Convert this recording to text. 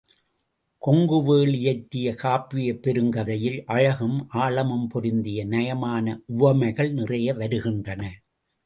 கொங்குவேள் இயற்றிய காப்பியப் பெருங்கதையில் அழகும் ஆழமும் பொருந்திய நயமான உவமைகள் நிறைய வருகின்றன.